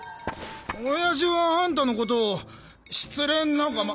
親父はあんたのことを失恋仲間。